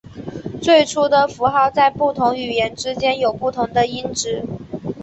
最初的符号在不同语言之间有不同的音值。